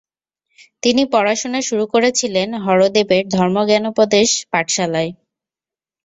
তিনি পড়াশোনা শুরু করেছিলেন হরদেবের ধর্মজ্ঞানোপদেশ পাঠশালায়।